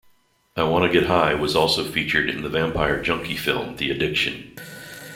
"I Wanna Get High" was also featured in the vampire junkie film "The Addiction.